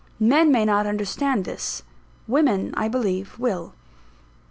Men may not understand this; women, I believe, will.